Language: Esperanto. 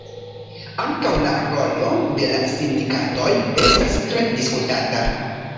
Ankaŭ la rolo de la sindikatoj estas tre diskutata.